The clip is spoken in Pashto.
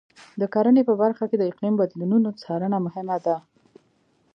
د کرنې په برخه کې د اقلیم بدلونونو څارنه مهمه ده.